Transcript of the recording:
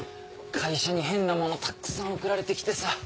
会社に変なものたっくさん送られて来てさ。